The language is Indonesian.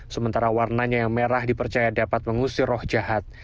sementara warnanya yang merah dipercaya dapat mengusir roh jahat